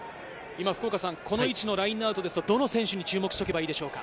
この位置のラインアウトですと、どの選手に注目しておけばいいでしょうか？